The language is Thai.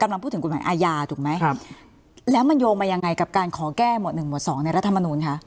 กำลังพูดถึงกฎหมายอาญาถูกไหมครับแล้วมันโยงมายังไงกับการขอแก้หมวดหนึ่งหมวดสองในรัฐมนูลคะ